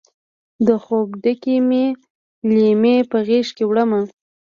د خوب ډکې مې لیمې په غیږکې وړمه